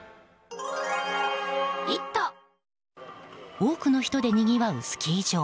多くの人でにぎわうスキー場。